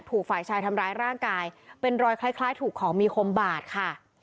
ถูกฝ่ายชายทำร้ายร่างกายเป็นรอยคล้ายถูกของมีคมบาดค่ะ